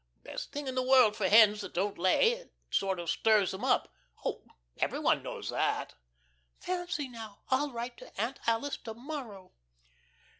"Best thing in the world for hens that don't lay. It sort of stirs them up. Oh, every one knows that." "Fancy now! I'll write to Aunt Alice to morrow."